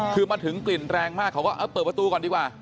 คือมาถึงกลิ่นแรงมากเขาก็เปิดประตูก่อนดีกว่า